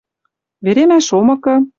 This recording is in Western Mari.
Веремӓ шомыкы